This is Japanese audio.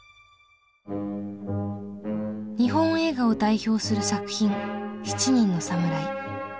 日本映画を代表する作品「七人の侍」。